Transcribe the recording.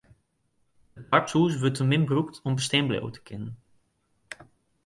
It doarpshûs wurdt te min brûkt om bestean bliuwe te kinnen.